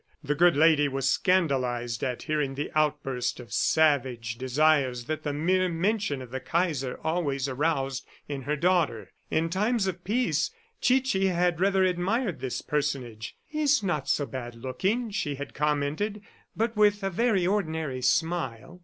The good lady was scandalized at hearing the outburst of savage desires that the mere mention of the Kaiser always aroused in her daughter. In times of peace, Chichi had rather admired this personage. "He's not so bad looking," she had commented, "but with a very ordinary smile."